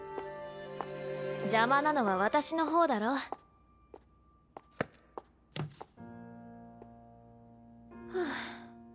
邪魔なのは私の方だろ？ハァ。